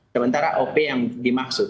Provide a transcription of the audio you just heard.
sementara oop yang dimaksud